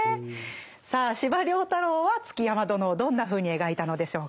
さあ司馬太郎は築山殿をどんなふうに描いたのでしょうか？